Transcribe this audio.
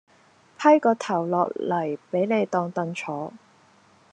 批個頭落嚟畀你當凳坐